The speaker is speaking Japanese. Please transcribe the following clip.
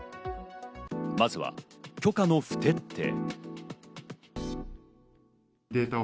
まずは許可の不徹底。